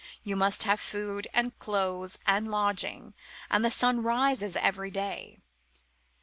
You must have food and clothes and lodging. And the sun rises every day.